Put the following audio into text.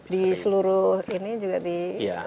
di seluruh ini juga di